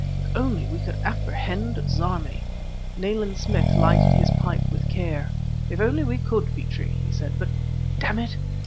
If only we could apprehend Zarmi." Nayland Smith lighted his pipe with care. "If only we could, Petrie!" he said; "but, damn it!"